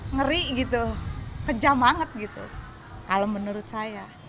ngeri gitu kejam banget gitu kalau menurut saya